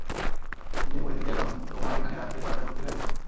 যে পরিস্থিতি এখন, তোমায় এখানে রাখতে পারাটাই মুশকিল হয়ে গেছে।